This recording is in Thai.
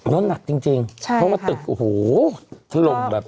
นั่นหนักจริงเพราะว่าตึกโอ้โหลงแบบ